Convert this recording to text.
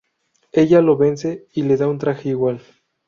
Ella lo vence y le da un traje igual.